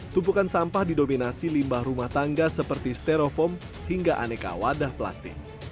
tumpukan sampah didominasi limbah rumah tangga seperti stereofoam hingga aneka wadah plastik